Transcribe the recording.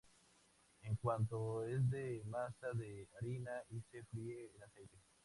En cuanto es de masa de harina y se fríe en aceite.